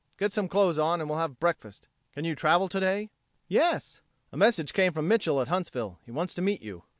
Get some clothes on and we'll have breakfast. Can you travel today?" "Yes." "A message came from Mitchel at Huntsville. He wants to see you."